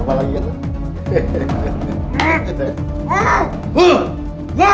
sama apa lagi ya